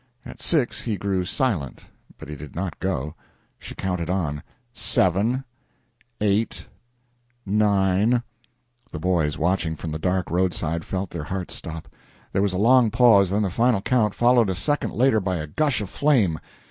At six he grew silent, but he did not go. She counted on: seven, eight, nine The boys, watching from the dark roadside, felt their hearts stop. There was a long pause, then the final count, followed a second later by a gush of flame.